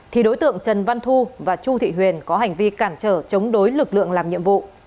thì đối tượng trần văn thu và chu thị huyền có hành vi cản trở chống đối lực lượng làm nhiệm vụ